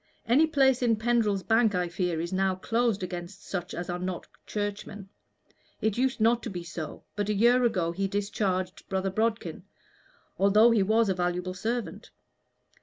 Any place in Pendrell's Bank, I fear, is now closed against such as are not Churchmen. It used not to be so, but a year ago he discharged Brother Bodkin, although he was a valuable servant.